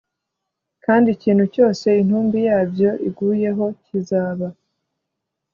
Kandi ikintu cyose intumbi yabyo iguyeho kizaba